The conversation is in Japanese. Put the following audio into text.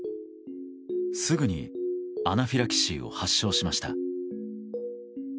すぐにアナフィラキシーを発症しました。